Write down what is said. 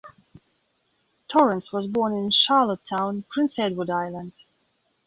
Torrens was born in Charlottetown, Prince Edward Island.